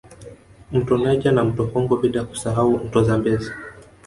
Mto Niger na mto Congo bila kusahau mto Zambezi